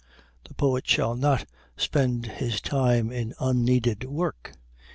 The poet shall not spend his time in unneeded work.